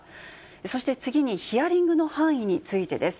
そして次にヒアリングの範囲についてです。